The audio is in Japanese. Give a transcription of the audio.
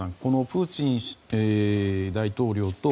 プーチン大統領と